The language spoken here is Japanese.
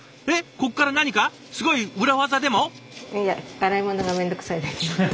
こっから何かすごい裏技でも？